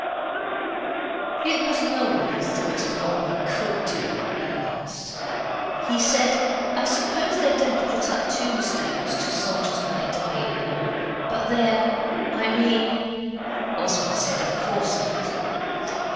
It was Noel who thought of what we COIULD do at last. He said, 'I suppose they don't put up tombstones to soldiers when they die in war. But there I mean Oswald said, 'Of course not.